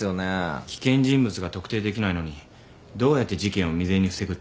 危険人物が特定できないのにどうやって事件を未然に防ぐっていうんですか？